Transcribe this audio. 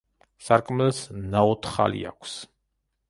სარკმელს ნაოთხალი აქვს.